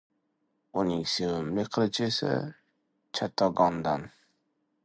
Uning sevimli qilichi esa Chattanogodan.